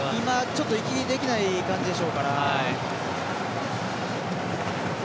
ちょっと息できない感じでしょうから。